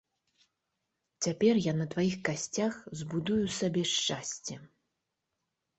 Цяпер я на тваіх касцях збудую сабе шчасце!